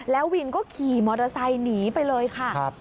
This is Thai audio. แล้ววินก็ขี่มอเตอร์ไซค์หนีไปเลยค่ะ